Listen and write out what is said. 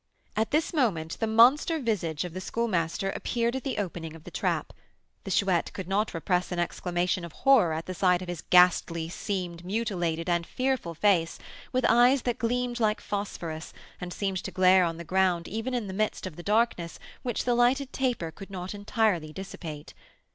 At this moment the monster visage of the Schoolmaster appeared at the opening of the trap. The Chouette could not repress an exclamation of horror at the sight of his ghastly, seamed, mutilated, and fearful face, with eyes that gleamed like phosphorus, and seemed to glare on the ground even in the midst of the darkness which the lighted taper could not entirely dissipate.